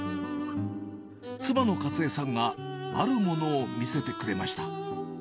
妻の加津江さんがあるものを見せてくれました。